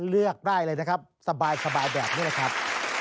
เลือกได้เลยนะครับสบายแบบนี้แหละครับ